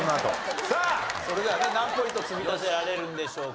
さあそれでは何ポイント積み立てられるんでしょうか？